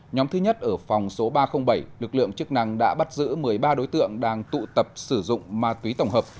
nhóm thứ nhất ở phòng số ba trăm linh bảy lực lượng chức năng đã bắt giữ một mươi ba đối tượng đang tụ tập sử dụng ma túy tổng hợp